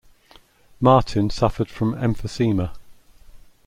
Martin suffered from emphysema.